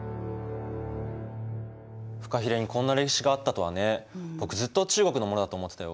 フカヒレにこんな歴史があったとはね僕ずっと中国のものだと思ってたよ。